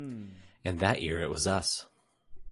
And that year it was us.